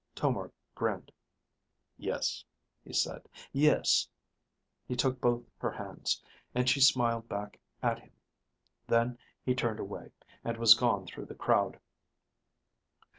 Tomar grinned. "Yes," he said. "Yes." He took both her hands, and she smiled back at him. Then he turned away, and was gone through the crowd.